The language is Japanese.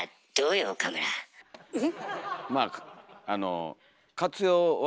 うん。